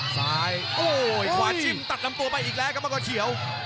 ซ้ายโอ้โหขวาชิมตัดลำตัวไปอีกแล้วครับมังกรเขียว